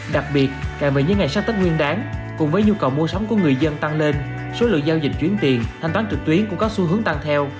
đặc biệt càng về những ngày sắp tới nguyên đáng cùng với nhu cầu mua sắm của người dân tăng lên số lượng giao dịch chuyển tiền thanh toán trực tuyến cũng có xu hướng tăng theo